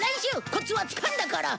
コツはつかんだから！